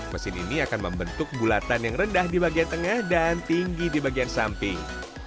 mesin ini akan membentuk bulatan yang rendah di bagian tengah dan tinggi di bagian samping